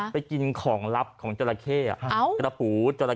ไปกินคุณผู้